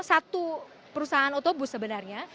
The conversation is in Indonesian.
satu perusahaan otobus sebenarnya